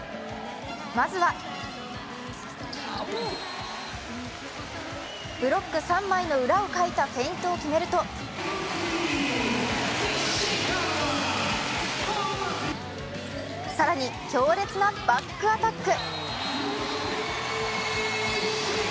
まずはブロック三枚の裏をかいたフェイントを決めると更に強烈なバックアタック。